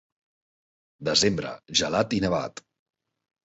Desembre, gelat i nevat.